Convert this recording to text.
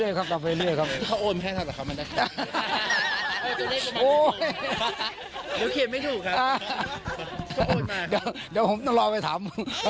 เดี๋ยวเขียนไม่ถูกค่ะก็กินมาี่ยวผมต้องรอไปถำ